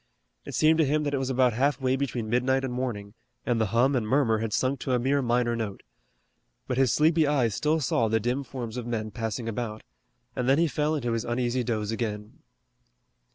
It seemed to him that it was about half way between midnight and morning, and the hum and murmur had sunk to a mere minor note. But his sleepy eyes still saw the dim forms of men passing about, and then he fell into his uneasy doze again.